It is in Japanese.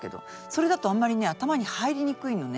それだとあんまりね頭に入りにくいのね。